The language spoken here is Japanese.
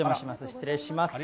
失礼します。